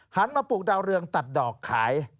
หันมาปลูกดาวเรืองตัดดอกขาย